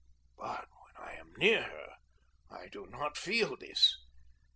But when I am near her, I do not feel this.